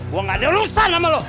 gue gak ada unggusan sama lo